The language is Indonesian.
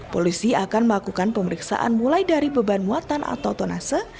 polisi akan melakukan pemeriksaan mulai dari beban muatan atau tonase